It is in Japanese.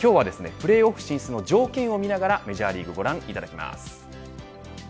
今日はプレーオフシーズンの条件を見ながらメジャーリーグご覧いただきます。